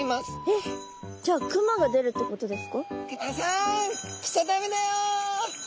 えっじゃあクマが出るってことですか？